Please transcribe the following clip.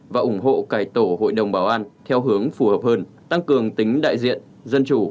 và ủng hộ cải tổ hội đồng bảo an theo hướng phù hợp hơn tăng cường tính đại diện dân chủ